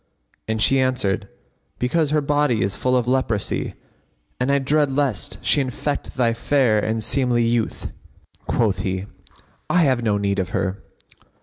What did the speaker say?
and she answered, "Because her body is full of leprosy and I dread lest she infect thy fair and seemly youth." Quoth he, "I have no need of her."